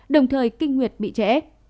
đồng thời kinh nguyệt bị trễ